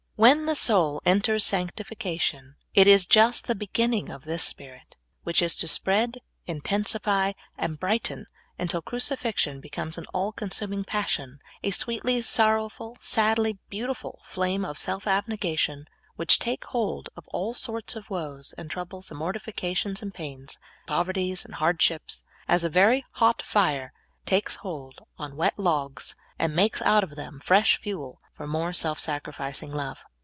When the soul enters sanctification, it is just the beginning of this spirit, which is to spread, intensify, and brighten until crucifixion becomes an all consuming passion, a sweetly sorrowful, sadly beautiful flame of self abnegation, which takes hold of all sorts of woes, and troubles, and mortifications, and pains, and pover ties, and hardships, as a very hot fire takes hold on wet logs and makes out of them fresh fuel for more self sacrificing love.